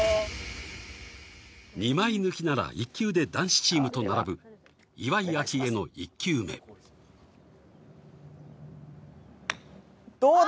２枚抜きなら１球で男子チームと並ぶ岩井明愛の１球目どうだ？